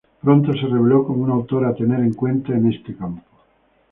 Pronto se reveló como un autor a tener en cuenta en este campo.